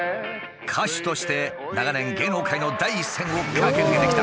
歌手として長年芸能界の第一線を駆け抜けてきた。